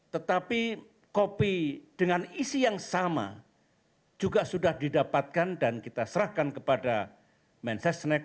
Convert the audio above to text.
tetapi kopi dengan isi yang sama juga sudah didapatkan dan kita serahkan kepada mensesnek